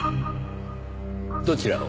どちらを？